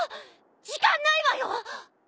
時間ないわよ！？